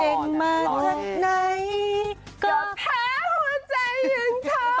เก่งมาถึงไหนเกิดแพ้หัวใจเหมือนเธอ